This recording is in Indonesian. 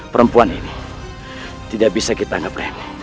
perempuan ini tidak bisa kita anggap remeh